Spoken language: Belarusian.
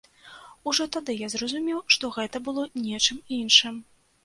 Ужо тады я зразумеў, што гэта было нечым іншым.